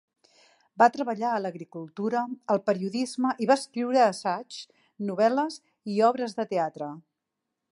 Va treballar a l'agricultura, al periodisme i va escriure assaigs, novel·les i obres de teatre.